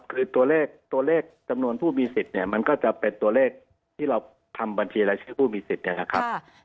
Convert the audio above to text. คือตัวเลขตัวเลขจำนวนผู้มีสิทธิ์เนี่ยมันก็จะเป็นตัวเลขที่เราทำบัญชีรายชื่อผู้มีสิทธิ์เนี่ยนะครับ